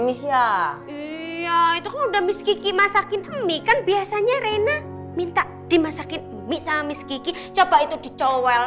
misya itu udah miski masakin emi kan biasanya rena minta dimasakin misal miski coba itu dicowol